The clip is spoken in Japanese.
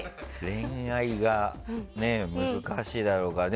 恋愛が難しいだろうから。